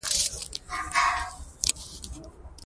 یاره چی بیخی ورته ورته دی